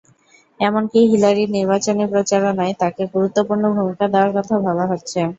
এমনকি হিলারির নির্বাচনী প্রচারণায় তাঁকে গুরুত্বপূর্ণ ভূমিকা দেওয়ার কথা ভাবা হচ্ছে।